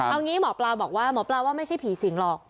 เอางี้หมอปลาบอกว่าหมอปลาว่าไม่ใช่ผีสิงหรอก